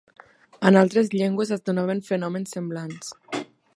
En altres llengües es donaven fenòmens semblants.